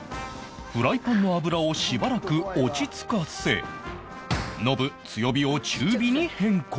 フライパンの油をしばらく落ち着かせノブ強火を中火に変更